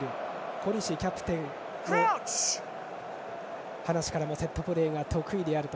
コリシキャプテンの話からもセットプレーが得意であると。